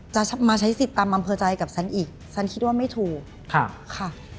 จะมาใช้สิทธิ์ตามอำเภอใจกับฉันอีกฉันคิดว่าไม่ถูกค่ะ